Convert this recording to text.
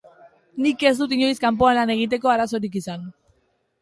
Nik ez dut inoiz kanpoan lan egiteko arazorik izan.